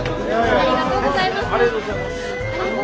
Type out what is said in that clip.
ありがとうございます。